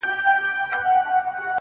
هغه و تورو غرونو ته رويا وايي,